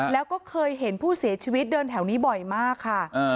แล้วก็เคยเห็นผู้เสียชีวิตเดินแถวนี้บ่อยมากค่ะ